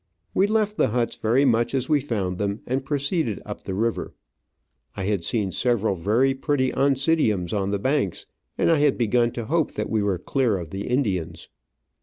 We left the huts very much as we found them, and proceeded up the river. I had seen several very pretty Oncidiums on the banks, and I had begun to hope we were clear of the Indians.